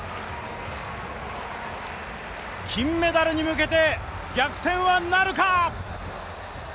金メダルに向けて、逆転はなるか？